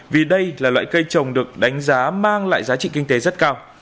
vì đây là loại cây trồng được đánh giá mang lại giá trị kinh tế rất cao